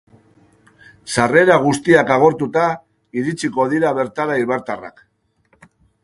Sarrera guztiak agortuta iritsiko dira bertara eibartarrak.